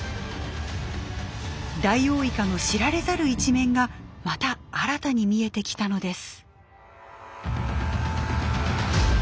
ダイオウイカの知られざる一面がまた新たに見えてきたのです。